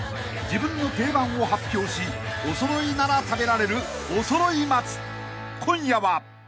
［自分の定番を発表しおそろいなら食べられるおそろい松今夜は］